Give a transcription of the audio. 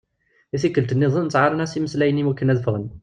I tikkelt-nniḍen ttaɛren-as yimeslayen iwakken ad ffɣen.